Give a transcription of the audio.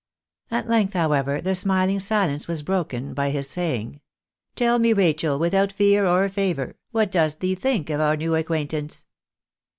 At length, however, the smiling silence was broken by his saying— " Tell me, Rachel, without fear or favour, what dost thee think of our new acquaintance